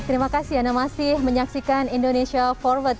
terima kasih anda masih menyaksikan indonesia forward